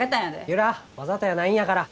由良わざとやないんやから。